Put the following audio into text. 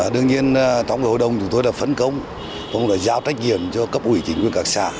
đương nhiên trong hội đồng chúng tôi đã phấn công cũng đã giao trách nhiệm cho cấp ủy chính quyền các xã